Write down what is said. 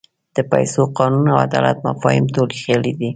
د پیسو، قانون او عدالت مفاهیم ټول خیالي دي.